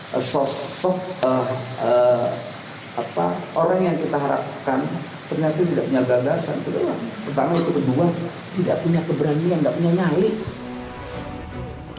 pertama itu kedua tidak punya keberanian tidak punya nyari